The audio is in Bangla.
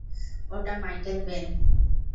ওটা মাইকেল বেন!